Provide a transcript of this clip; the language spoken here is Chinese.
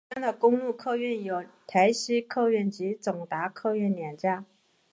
本乡的公路客运有台西客运及总达客运两家。